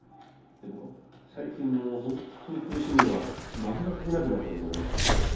最近本当に苦しむのは円が描けなくなったことね。